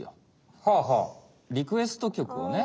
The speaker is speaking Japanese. リクエストきょくをね。